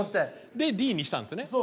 でＤにしたんですよね。